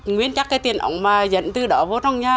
nguyên chắc cái tiền ống mà dẫn từ đó vô trong nhà